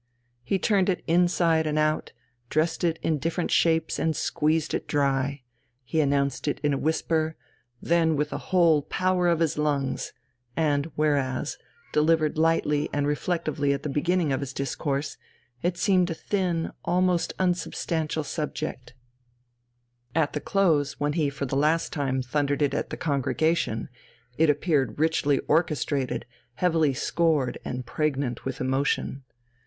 He turned it inside and out, dressed it in different shapes and squeezed it dry; he announced it in a whisper, then with the whole power of his lungs; and whereas, delivered lightly and reflectively at the beginning of his discourse, it seemed a thin, almost unsubstantial subject; at the close, when he for the last time thundered it at the congregation, it appeared richly orchestrated, heavily scored, and pregnant with emotion.